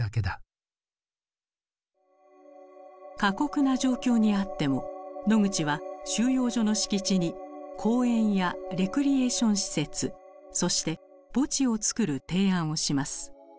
過酷な状況にあってもノグチは収容所の敷地に公園やレクリエーション施設そして墓地を作る提案をします。